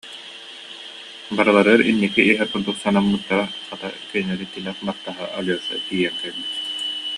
Барыларыттан инники иһэр курдук санаммыттара, хата, кинилэри тилэх баттаһа Алеша тиийэн кэлбит